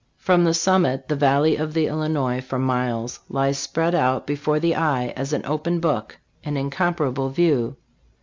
From the summit, the valley of the Illinois for miles lies spread out be fore the eye as an open book an incomparable view.